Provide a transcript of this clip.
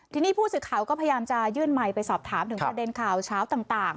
ทีนี้ผู้สื่อข่าวก็พยายามจะยื่นไมค์ไปสอบถามถึงประเด็นข่าวเช้าต่าง